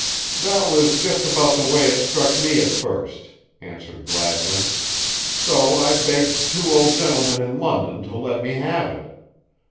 "That was just about the way it struck me at first," answered Gladwin, "so I begged two old gentlemen in London to let me have it.